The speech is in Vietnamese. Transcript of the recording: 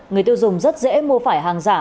người tiêu dùng rất dễ mua phải hàng giả